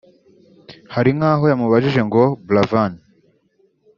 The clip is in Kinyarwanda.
Hari nk’aho yamubajije ngo ‘Buravan